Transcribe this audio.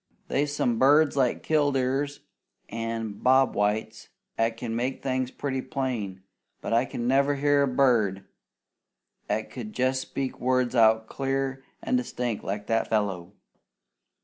They's some birds like killdeers an' bobwhites 'at can make things pretty plain, but I never heard a bird 'at could jest speak words out clear an' distinct like that fellow.